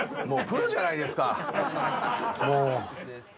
もうプロじゃないですか。